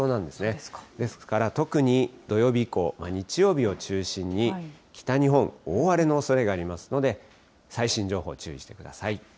ですから、特に土曜日以降、日曜日を中心に、北日本、大荒れのおそれがありますので、最新情報、注意してください。